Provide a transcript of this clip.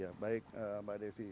ya baik mbak desi